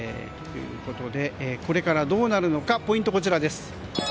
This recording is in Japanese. これからどうなるのかポイントはこちらです。